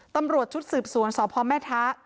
ตำรวจชุดสืบสวนสพแม่ทะ